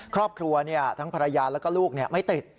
ครอบครัวทั้งภรรยาแล้วก็ลูกไม่ติด